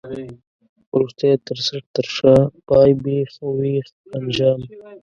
وروستی، تر څټ، تر شا، پای، بېخ، وېخ، انجام.